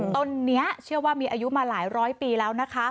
ต้นนี้เชื่อว่ามีอายุมาหลายร้อยปีแล้วนะคะ